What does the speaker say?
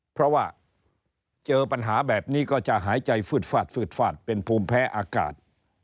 เพราะว่าเจอปัญหาแบบนี้ก็จะหายใจฟืดฟาดฟืดฟาดเป็นภูมิแพ้อากาศ